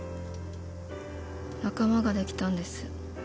仲間ができたんです。